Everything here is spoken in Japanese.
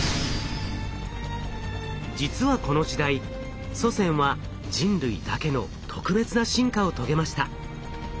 実はこの時代祖先は人類だけの特別な進化を遂げました。